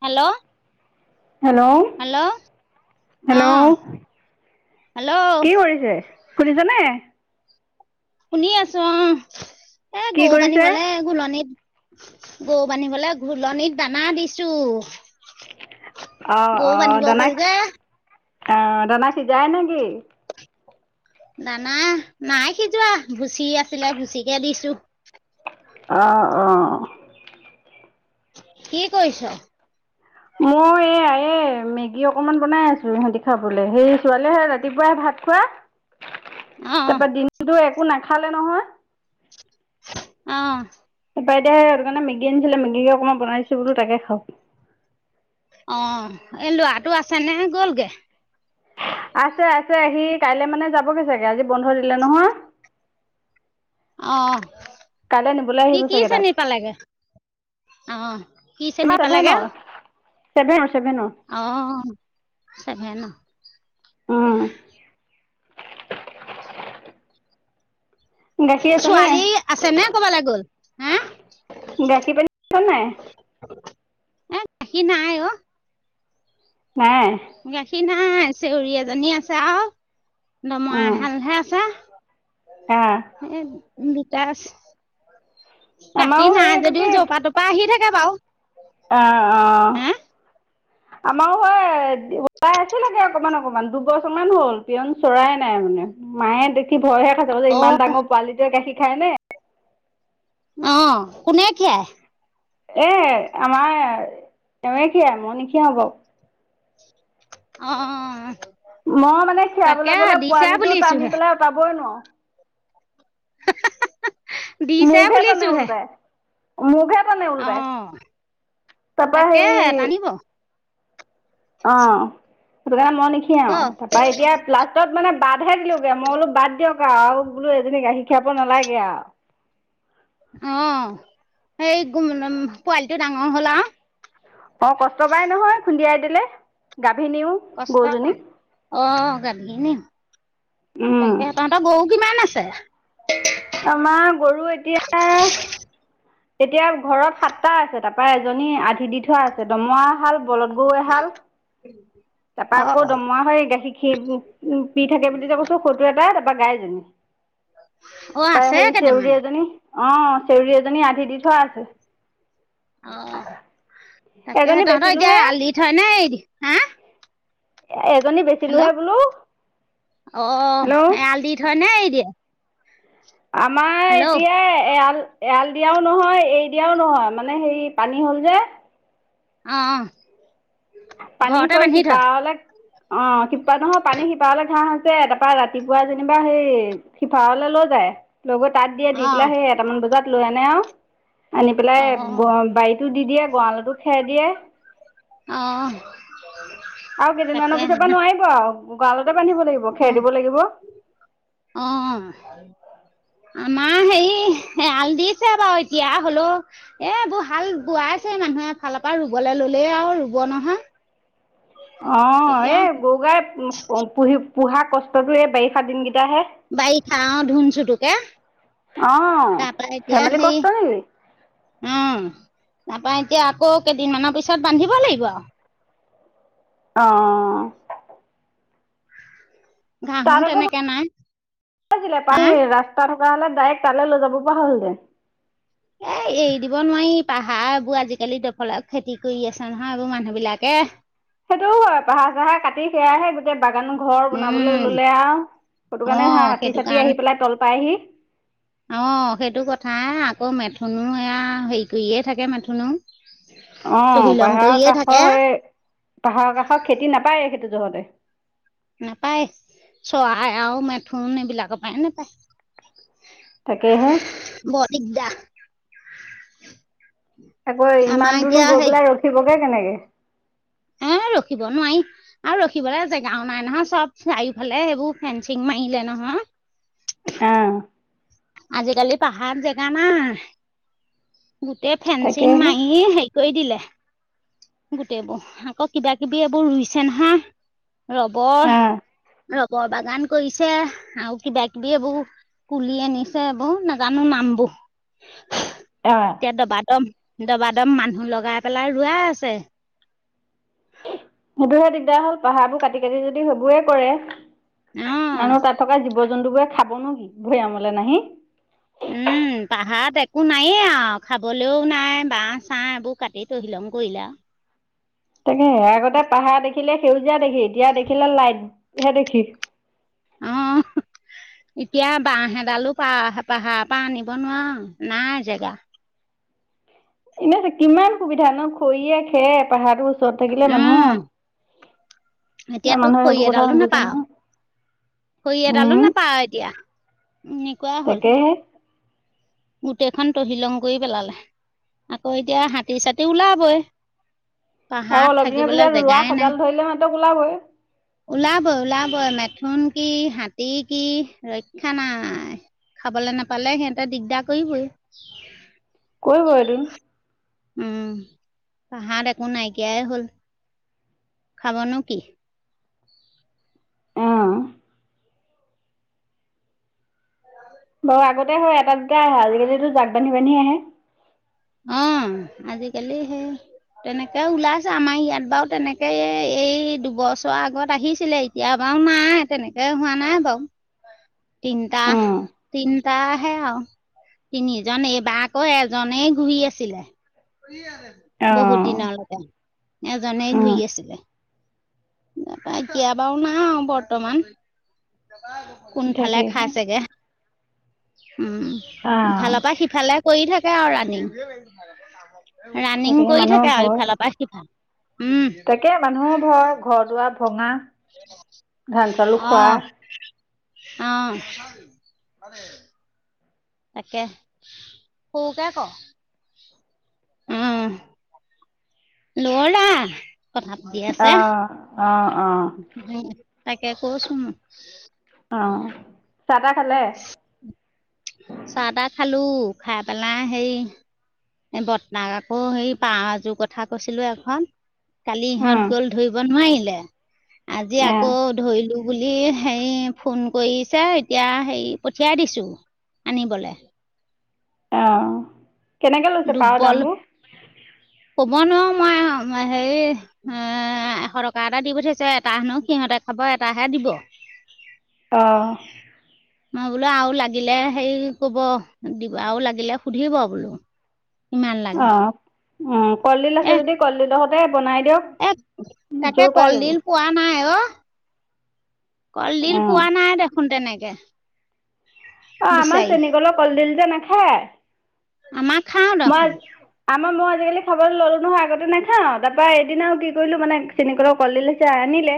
Hello. Hello অ hello hello কি কৰিছে? শুনিছেনে? শুনি আছো অঁ' এ কি গৰু কৰিছে? বান্ধিবলে ঘুলনিত গৰু বান্ধিবলে ঘুলনিত দানা দিছোঁ। অঁ' অঁ' দানা, অঁ' দানা সিজাই নে কি? দানা নাই সিজোৱা, ভুচি আছিলে ভুচিকে দিছোঁ। অঁ অঁ'। কি কৰিছ? মই এয়া, এ মেগী অকমান বনাই আছোঁ ইহঁতি খাবলে, সেই ছোৱালীয়ে‌ সেই ৰাতিপুৱাই ভাত খোৱা অ তাৰপৰা দিনটোতো একো নাখালে নহয়। অঁ'। তাৰ পৰা এতিয়া সেই সেইটো কাৰণে মেগী আনিছিলে মেগীকে অকমান বনাই দিছোঁ বোলো তাকে খাওঁক। অঁ' এই ল'ৰাটো আছে নে গ'লগে? আছে আছে, সি কাইলৈ মানে যাবগৈ চাগে, আজি বন্ধ দিলে নহয়। অঁ'। কাইলৈ নিবলৈ সি আহিব কি চাগে তাক। শ্ৰেণী পালেগৈ, অঁ' কি শ্ৰেণী পালেগৈ? চেভেন, চেভেনত। অঁ' চেভেনত, তাকে। উম। গাখীৰ আছে নে ছোৱালী আছে নে ক'বালে গ'ল, হে? গাখী পানী আছেনে নাই? এ গাখী নাই অঁ'। নাই। গাখীৰ নাই, চেউৰি এজনী আছে আৰু দমৰা অঁ এহালহে আছে। অঁ। [unintelligible] আমাৰো গাখীৰ সেই নাই এইটো কি যদিও জপা তপা আহি থাকে বাাৰু। অঁ' অঁ' আমাৰো সেই [unintelligible] আচিলেগে অকমান অকমান, দুবছৰমান হ'ল পিয়ন চৰায়ে নাই মানে মায়ে দে খি ভয়হে খাইছে কৈছে ইমান অ', ডাঙৰ পোৱালিটোৱে গাখীৰ খায়নে। অঁ' কোনে খীৰাই? এ আমাৰ এৱেই খিৰাই মই নিখিৰাও বাৰু। অঁ। মই মানে খীৰাবলৈ গ'লে পোৱালিটো টানি বুলিছোহে পেলাই আঁতৰাবই নোৱাৰোঁ। দিছে মোক হে তানে বুলিছোহে ওলোটাই। মোক হে তানে ওলোটাই। অ', তাপা তাকে হেৰি- টানিব অঁ' সেইটো কাৰণে মই ক নিখিৰাও। তাপা এতিয়া- ত'ত মানে বাদহে দিলোগে, মই বোলো বাদ দিয়ক আৰু বোলো এইজনী গাখীৰ খীৰাব নালাগে আৰু। অঁ' সেই পোৱালিটো ডাঙৰ হ'ল আও। অ, কষ্ট পাই নহয় খুন্দিয়াই দিলে, গাভিনীও। কষ্ট গৰুজনী পায়, অঁ' গাভিনীও। উম, তাকে, তহঁতৰ গৰু কিমান আছে? আমাৰ গৰু এতিয়া। এতিয়া ঘৰত সাতটা আছে, তাপা এজনী আধি দি থোৱা আছে, দমৰা এহাল, বলত গৰু‌ এহাল। [unintelligible] তাপা‌‌ আকৌ অ', দমৰা হেই গাখীৰ খি উ‌ম পি থাকে বুলি যে‌‌ কৈছো, সৌটো এটা, তাপা গায়জনী। অ', তাপাই আছে হেই, কেইটামান চেউৰী এজনী, অহ' চেউৰী ‌এজনী‌‌ আধি দি থোৱা আছে। অহ', তাকেহে এজনী তহঁতৰ এতিয়া বেচিলোঁহে এৰাল দি থয় নে এৰি দিলে, হা? এজনী হেল্লো', বেচিলোহে বোলো অ', হেল্ল' এৰাল দি থয় নে এৰি দিয়ে। আমাৰ হেল্ল' অঁ এতিয়া এৰাল। এৰাল দিয়াও নহয়, এৰি দিয়াও নহয় মানে হেৰি পানী হ'ল যে। অ', অ'। পানী হৈ সিপাৰলে অহ', সিপাৰ নহয়, পানী সিপাৰলে ঘাঁহ আছে তাপা ৰাত। ৰাতিপুৱা যেনিবা সেই সিপাৰলৈ লৈ যায় লৈ গৈ তাত দিয়ে, দি অঁ পেলাই সেই। এটামান বজাত লৈ আনে আও আনি পেলাই অঁ ঘৰ বাৰীতো দি দিয়ে গৰালতো খেৰ দিয়ে। অ 'হয়। আও কেইদিনমানৰ পিছৰ পা নোৱাৰিব আও গ গৰালতে বান্ধিব লাগিব খেৰ দিব লাগিব। অ'হ। আমাৰ হেৰি এৰাল দিছে বাও এতিয়া, হ'লো। এবো হাল বোৱাইছে মানুহে এফালৰ পৰা ৰুবলে ললেই আও ৰুব নহয়। অ', তেতিয়া এই গৰু গায় পু পুহি পোহা কষ্টটোৱে বাৰিষা দিনকেইটাহে। বাৰিষ অহ, ধুন চুটোকে অঁ তাৰ পা এতিয়া ধেমালি সেই। কষ্ট নেকি অ'হ, তাপা এতিয়া আকৌ কেইদিনমানৰ পিছত বান্ধিব লাগিব আও। অ'হ। ঘাঁহো তাত আকৌ ভা তেনেকে নাই আছিলে হা পানী ৰাস্তা থকা হ'লে ডাইৰেক্ট তালে লৈ যাব পৰা হ'ল হেঁতেন। এ এৰি দিব নোৱাৰি, পাহাৰবোৰ আজিকালি দফালা খেতি কৰি আছে নহয়, এইবোৰ মানুহ বিলাকে। সেইটোও হয়, পাহাৰ চাহাৰ কাটি সেয়াহে গোটেই বাগান ঘৰ উম বনাবলৈ ল'লে আও। সটো অ কাৰণে হা হাতী সেইটো চাতি আহি পেলাই তল পাইহি। অহ', সেইটো কথা, আকৌ মেথুনো এয়া হেৰি কৰিয়ে থাকে মেথুনো। অ', তহিলং পাহাৰৰ কৰিয়ে থাকে কাষৰ সেই পাহাৰৰ কাষৰ খেতি নাপায় সেইটো যহতে। নাপায় চৰাই আও মেথুন এইবিলাকৰ পাই নেপায়। তাকেহে। ব দিগদা। আকৌ ইমান দূৰনো গৈ পেলাই ৰখিবগে কেনেকে। এ ৰখিব নোৱাৱি। আৰু ৰখিবলে জেগাও নাই নহয়, চব চাৰিওফালে সেইবোৰ ফেঞ্চিং মাৰিলে নহয়। অ'। আজিকালি পাহাৰ জেগা নাই, গোটেই ফেঞ্চিং তাকেহে মাৰি সেই কৰি দিলে, গোটেইবো আকৌ কিবা কিবি এইবোৰ ৰুইছে নহয়। ৰবৰ। অ', ৰবৰ বাগান কৰিছে, আও কিবা কিবি এইবোৰ পুলি আনি। ছে এইবোৰ নাজানো নামবো অ', এতিয়া দবা দম। দবা দম মানুহ লগাই পেলাই ৰোৱাই আছে। সেইটোহে দিগদাৰ হ'ল পাহাৰ বোৰ কাটি কাটি যদি সেইবোৰে কৰে। অ'। আৰু তাত থকা জীৱ-জন্তু বোৰে খাবনো কি ভৈয়ামলে নাহি। উম, পাহাৰত একো নাইয়ে আও খাবলৈও নাই বাঁহ চাঁ এইবোৰ কাটি তহি লং কৰিলে আও। তাকেহে আগতে পাহাৰ দেখিলে সেউজীয়া দেখি, এতিয়া দেখিলে লাইটহে দেখি। অ [unintelligible] এতিয়া বাঁহ এডালো পাহা পাহাৰৰ পা আনিব নোৱাৰ নাই জেগা। এনে কিমান সুবিধা ন' খৰিয়ে খেৰে পাহাৰটোৰ ওচৰত থাকিলে মানুহ উম এতিয়া এতিয়াতো মানুহে খৰি সেইবোৰ কথা এডালো নুবুজে নাপাও নহয়। খৰি এডালো উম, নাপাৱ এতিয়া এনেকুৱা হ'ল। তাকেহে। গোটেইখন তহিলং কৰি পেলালে আকৌ এতিয়া হাতী-চাতি ওলাবই। আৰু পাহাৰত অলপ দিনৰ থাকিবলে পিছত ৰোৱা জেগাই সজাল নাই। ধৰিলে মাত্ৰক ওলাবই ওলাবই ওলাবই মেথোন কি হাতী কি ৰক্ষা নাই। খাবলে নাপালে সিহঁতে দিগদাৰ কৰিবই। কৰিবই তোন উম পাহাৰত একো নাইকিয়াই হ'ল খাব নো কি। অ'। বাৰু আগতে হেই এটা দুটাই আহে আজিকালিতো জাক বান্ধি বান্ধি আহে। অ আজিকালি সেই তেনেকে ওলাইছে আমাৰ ইয়াত বাৰু তেনেকে এই দুবছৰৰ আগত আহিছিলে। এতিয়া বাৰু নাই তেনেকে হোৱা নাই বাউ তিনিটা উম, তিনিটা হে আউ তিনিজন এইবাৰ আকৌ এজনেই ঘূৰি আছিলে বহুত অ'। দিনলৈকে এজনে ঘূৰি উম, আছিলে। তাপা এতিয়া বাৰু নাই বৰ্তমান। কোনফালে তাকেহে। খাইছে গে উম অ'। ইফালৰ পা সিফালে কৰি থাকে আৰু ৰাণিং ৰাণিং তাকেহে কৰি মানুহৰ থাকে আৰু ভয়। ইফালৰ পা সিফাল। উম তাকে মানুহ ভয় ঘৰ দুৱাৰ ভঙা ধান চাউল খোৱা। অহ তাকে সৰুকে ক উম ল'ৰা অ থাপ দিয়া অ অ অ উম তাকে কৈচোং অ চাহ তাহ খালে। চাহ তাহ খালো খাই পেলাই হেৰি এই বৰ্তাক আকৌ সেই পাৰ এযোৰ কথা কৈছিলো এখন কালি ইহঁত উম, গ'ল ধৰিব নোৱাৰিলে আজি আকৌ অ', ধৰিলোঁ বুলি হেৰি ফোন কৰিছে এতিয়া হেৰি পঠিয়াই দিছো আনিবলে অঁ দুৰ্বল কব নোৱাৰো মই আ হেৰি এ এশ টকা দি পঠাইছো এটা হেনো সিহঁতে খাব এটাহে দিব। অ মই বোলো আউ লাগিলে হেৰি কব দিব আউ লাগিলে সুধিব বোলো। ইমান লাগে অ'। উম কলডিল আছে যদি কলডিলহতে বনাই দিয়ক। এ তাকে জোৰ পাই যাব। কলডিল পোৱা নাই অ। কলডিল অ', পোৱা নাই দেখোন তেনেকে। অ' আমাৰ চেনী কলৰ কলডিল যে নাখায়। আমাৰ খাওঁ মই দেখোন। আমাৰ মই আজিকালি খাবলৈ ল'লোঁ নহয় আগতে নাখাওঁ, তাৰপৰা এদিনা আৰু কি কৰিলোঁ মানে চেনি কলৰ কলডিল এটা আনিলে,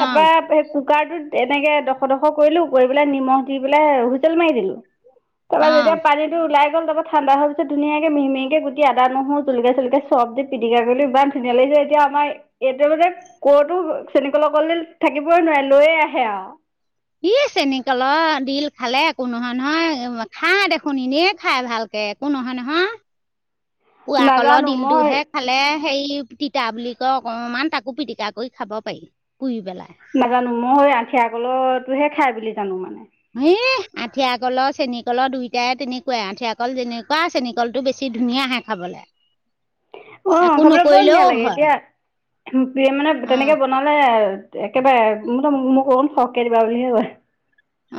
অঁ তাৰপা কুকাৰটোত এনেকে, ডোখৰ ডোখৰ কৰিলো, কৰি পেলাই নিমখ দি পেলাই হুইচেল মাৰি দিলোঁ। তাৰ পৰা অঁ যেতিয়া পানীটো ওলাই গ'ল তাৰপা ঠাণ্ডা হ'ল পিছত ধুনীয়াকে মিহি মিহিকে কুটি আদা, নহৰু, জলকীয়া-চলকীয়া চব দি পিটিকা কৰিলো ইমান ধুনীয়া লাগিছে এতিয়া আমাৰ এতিয়া মানে ক'তো চেনীকলৰ কলডিল থাকিবই নোৱাৰে, লৈয়ে আহে আৰু। ই চেনী কলৰ ডিল খালে একো নহয়, নহয়। এ খায় দেখোন এনেই খাই ভাল দে একো নহয়, নহয়। পুৱা কলৰ নাজানো মই ডিলটোহে খালে হেৰি তিতা বুলি কয় অকমান, তাকো পিটিকা কৰি খাব পাৰি পুৰি পেলায়। নাজানো মইহে আঠিয়া কলটোহে, খাই বুলি জানো মানে। হেই আঠিয়া কলৰ চেনীকলৰ দুইটাই তেনেকুৱাই, আঠিয়া কল যেনেকুৱা চেনী কল বেছি ধুনীয়াহে খাবলে। অহ' খাবলৈ বৰ ধুনীয়া লাগে হয় দিয়া, প্ৰিয় মানে অঁ তেনেকে ব নালে একেবাৰে আৰু, মোৰতো মো-মোক অকণ সহকে দিবা বুলিহে কয়।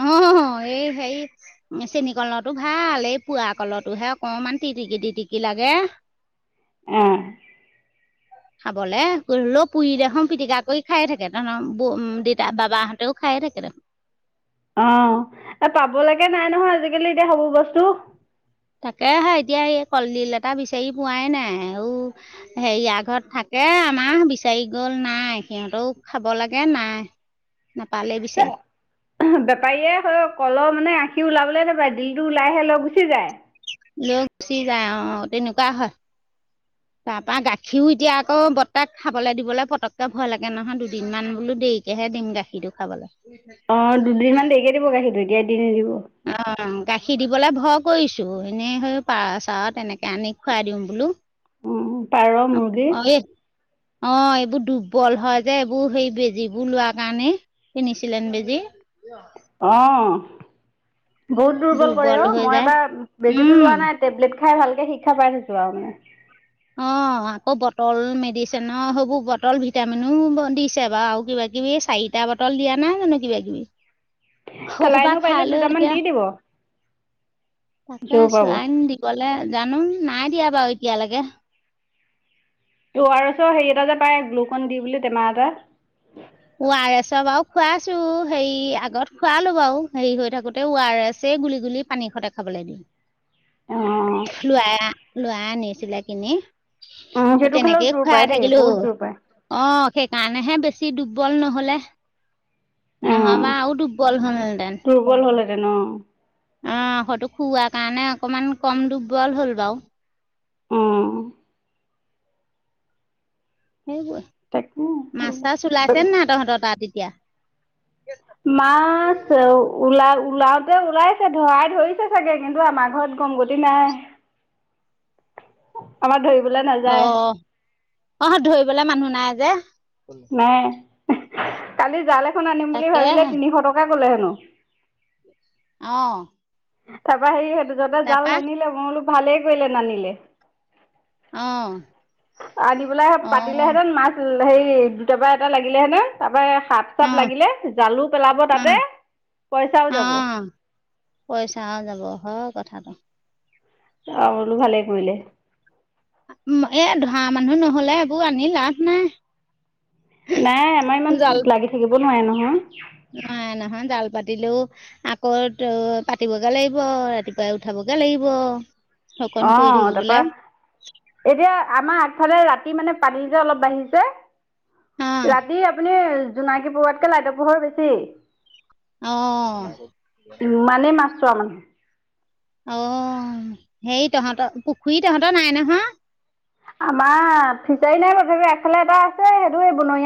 অ' হহ এই হেৰি এ চেনী কলৰটো ভাল, এই পুৱা কলটোহে অকণমান তিটিকি তিটিকি লাগে। অহ'। খাবলৈ হ'লেই পুৰি দেখোন পিটিকা কৰি খায়ে থাকে, তহতৰ বৌ দেতা বাবাহঁতেও খাইয়ে থাকে দেখোন। অ', এ পাব লেকে নাই নহয় আজিকালি এতিয়া সেইবোৰ বস্তু। তাকে হে এতিয়া এই কলডিল এটা বিচাৰি পোৱাই নাই, ঊ হেৰিয়াৰ ঘৰত থাকে আমাৰ বিচাৰি গ'ল নাই, সিহঁতেও খাব লাগে নাই। নাপালেই বিচাৰি। বেপাৰীয়ে হ'লেও কলৰ মানে আখি ওলাবলে নাপায়, ডিলটো ওলাইহে লৈ গুচি যায়। লৈ গুচি যায় অ', অ', তেনেকুৱা হয়। তাৰ পৰা গাখীৰও, এতিয়া আকৌ বৰ্তাক খাবলৈ দিবলৈ পটককে ভয় লাগে নহয়, দুদিনমান বোলো দেৰি কেহে দিম, গাখীৰটো খাবলৈ। অ', দুদিনমান দেৰিকে দিব গাখীৰটো এতিয়া দি নিদিব। অ' গাখীৰ দিবলে ভয় কৰিছো। এনেই সেই পাৰ-চাৰ তেনেকে আনি খুৱাই দিওঁ বোলো। উম, পাৰ মুৰ্গী। অ' এই অ', এইবোৰ দুৰ্বল হয় যে এইবোৰ সেই বেজীবোৰ লোৱাৰ কাৰণে, কিনিছিলেন বেজি। অ' বহুত দুৰ্বল কৰে অ' হৈ মই যায় এবাৰ বেজীটো উম লোৱা নাই টেবলেট খাই, ভালকে শিক্ষা পাই গৈছোঁ আৰু মানে। অ'। অ' আকৌ বটল মেডিচিনৰ সেইবোৰ বটল ভিটামিনো দিছে বাৰু, আৰু কিবা-কিবি চাৰি টা বটল দিয়া নাই জানো, কিবা-কিবি। সৌসোপা চেলাইনো খাই পাৰিলে লৈ দুটামান এতিয়া, দি দিব তাকে জোৰ পাব চেলাইন অ দি গ'লে জানো নাই দিয়া বাৰু, এতিয়ালৈকে। উৰাৰেছৰ হেৰি এটা যে পাই, গ্লুকন দি বুলি টেমা এটা। উৱাৰেছৰ বাৰু খুৱাই আছোঁ, হেৰি আগত খোৱালো বাৰু হেৰি হৈ থাকোতে, উৱাৰেছে গুলি গুলি পানীৰ সৈতে খাবলৈ দিওঁ। [inaudible] অ উম লোৱাাই লোৱা অনিছিলে কিনি। অ', সেইটো খালেও তেনেকেই জোৰ পায় খুৱাই দেই থাকিলো। বহুত জোৰ পায় অ', সেইকাৰণেহে বেছি দুৰ্বল নহ'লে। ন' হবা‌ আৰু দূৰ্বল হ'ল হেতেন। [unintelligible] হ'লহেতেন অ'। অ', সৈতো খুওৱা কাৰণে অকমান ক'ম দুৰ্বল হ'ল বাৰু। অ'। সেইবোৰে, মাছ-চাছ তাকে ওলাইছে নে নাই তহঁতৰ তাত এতিয়া? মাছ ওলা ওলাওতে ওলাইছে ধৰাই ধৰিছে চাগে কিন্তু আমাৰ ঘৰত গমগতি নাই। [inaudible] আমাৰ ধৰিবলৈ নাই। অ', অ', ধৰিবলে মানুহ নাই যে। নাই, কালি জাল এখন আনিম বুলি ভাবিলে তাকেহে তিনিশ টকা ক'লে হেনো। অ'। তাৰপৰা হেৰি সেটো [unintelligible] জাল তাৰপা নানিলে মই বোলো ভালেই কৰিলে নানিলে। অ'। আনি পেলাই অ', পাতিলেহেঁতেন মাছ হেৰি দুটা বা এটা লাগিলে হেতেন তাৰপৰা এয়া সাপ চাপ অ', লাগিলে জালো পেলাব অ', তাতে অ'। পইচাও যাব। পইচাও যাব হয় কথাটো। [unintelligible] বোলো ভালেই কৰিলে। এ ধৰা মানুহ নহ'লে এইবোৰ আনি লাভ নাই। নাই আমাৰ ইমান লাগি থাকিব নোৱাৰে নহয়। নোৱাৰে নহয় জাল পাতিলেও আকৌ পাতিবগে লাগিব ৰাতিপুৱাই উঠাবগে লাগিব। অকণ কৰি অ', তাৰপৰা থাকিবলৈ এতিয়া আমাৰ আগফালে ৰাতি মানে পানী যে অলপ বাঢ়িছে। অ ৰাতি আপুনি জোনাকী পৰুৱাতকে লাইটৰ পোহৰ বেছি। অ'। ইমানেই মাছ চোৱা মানুহ। অ', হেই তহঁতৰ পুখুৰী তহঁতৰ নাই নহয়? আমাৰ ফিচাৰী নাই তথাপিও আগফালে এটা আছে সেইটো সেই বনৰিয়া